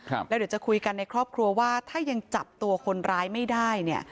แล้วเดี๋ยวจะคุยกันในครอบครัวว่าถ้ายังจับตัวคนร้ายไม่ได้เนี่ย